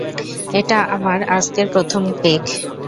এটা আমার আজকের প্রথম পেগ।